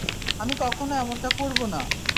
আমি কখনো এমনটা করবো না!